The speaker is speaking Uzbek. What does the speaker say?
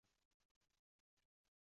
Oyim sekin-sekin mudrab ketadi.